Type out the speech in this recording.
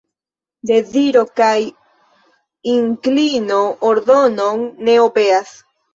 Deziro kaj inklino ordonon ne obeas.